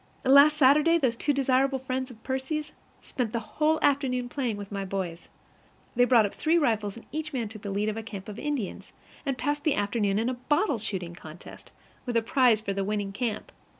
Last Saturday those two desirable friends of Percy's spent the whole afternoon playing with my boys. They brought up three rifles, and each man took the lead of a camp of Indians, and passed the afternoon in a bottle shooting contest, with a prize for the winning camp.